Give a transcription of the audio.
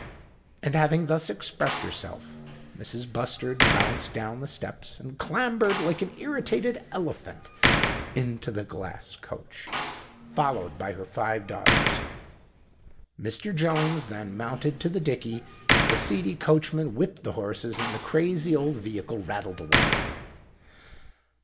And having thus expressed herself, Mrs. Bustard bounced down the steps and clambered like an irritated elephant into the glass coach, followed by her five daughters. Mr. Jones then mounted to the dickey; the seedy coachman whipped the horses; and the crazy old vehicle rattled away.